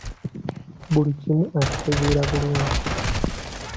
Buli kimu akitegeera bulungi.